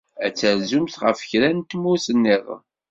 Ad terzumt ɣef kra n tmurt niḍen?